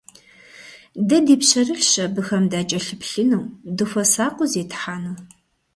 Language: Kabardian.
Дэ ди пщэрылъщ абыхэм дакӀэлъыплъыну, дыхуэсакъыу зетхьэну.